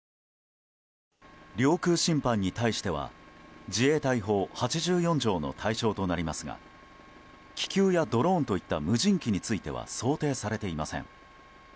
領空侵犯に対しては自衛隊法８４条の対象となりますが気球やドローンといった無人機については想定されていません。